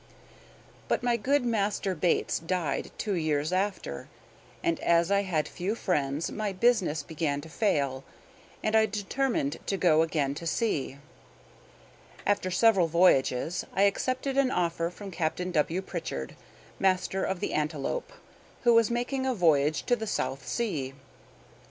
But my good master Bates died two years after; and as I had few friends my business began to fail, and I determined to go again to sea. After several voyages, I accepted an offer from Captain W. Pritchard, master of the "Antelope," who was making a voyage to the South Sea.